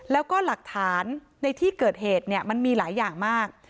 แล้วก็หลักฐานในที่เกิดเหตุมันมีหลายอย่างมาก